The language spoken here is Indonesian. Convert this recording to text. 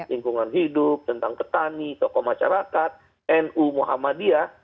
lingkungan hidup tentang petani tokoh masyarakat nu muhammadiyah